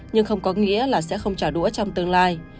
nhưng không có nghĩa là sẽ không trả đũa trong tương lai